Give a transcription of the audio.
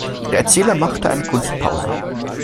Der Erzähler machte eine Kunstpause.